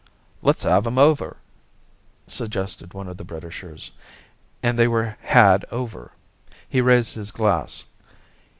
"Let's have 'em over," suggested one of the Britishers; and they were "had" over; he raised his glass.